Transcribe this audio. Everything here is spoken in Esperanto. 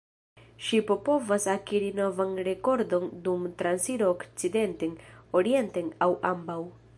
Ŝipo povas akiri novan rekordon dum transiro okcidenten, orienten aŭ ambaŭ.